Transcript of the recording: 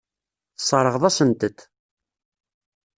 Tesseṛɣeḍ-asent-t.